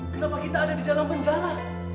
kenapa kita ada di dalam penjara